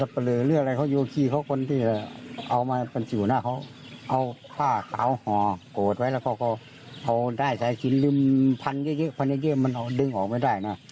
พระนิพนธ์เยี่ยมมันดึงออกไม่ได้นะ